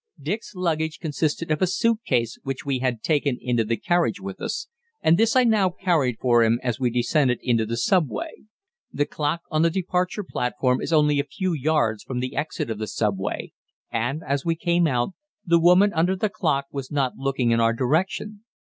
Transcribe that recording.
Dick's luggage consisted of a suit case which we had taken into the carriage with us, and this I now carried for him as we descended into the sub way. The clock on the departure platform is only a few yards from the exit of the sub way, and, as we came out, the woman under the clock was not looking in our direction.